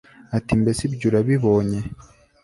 ati mbese ibyo urabibonye